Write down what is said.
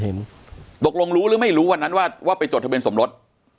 ตกลงรู้หรือไม่รู้วันนั้นว่าว่าไปจดทะเบียนสมรส